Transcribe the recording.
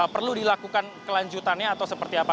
perlu dilakukan kelanjutannya atau seperti apa